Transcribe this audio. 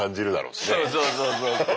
そうそうそうそうそう。